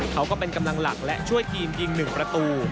เขาก็เป็นกำลังหลักและช่วยทีมยิง๑ประตู